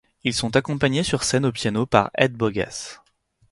Ils sont accompagnés sur scène au piano par Ed Bogas.